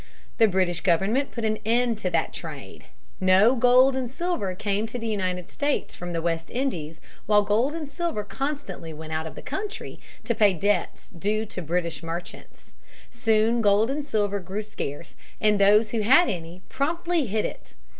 The British government put an end to that trade. No gold and silver came to the United States from the West Indies while gold and silver constantly went out of the country to pay debts due to British merchants. Soon gold and silver grew scarce, and those who had any promptly hid it.